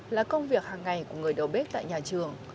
là công việc hàng ngày của người đầu bếp tại nhà trường